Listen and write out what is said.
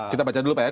kita baca dulu pak ya